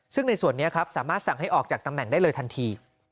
ซึ่งในส่วนนี้ครับสามารถสั่งให้ออกจากตำแหน่งได้เลยทันที